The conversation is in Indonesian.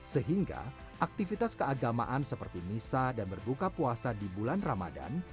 sehingga aktivitas keagamaan seperti misa dan berbuka puasa di bulan ramadan